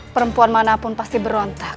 perempuan manapun pasti menikah dengan kandaprabu